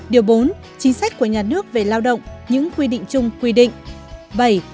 điều bốn chính sách của nhà nước về lao động những quy định chung quy định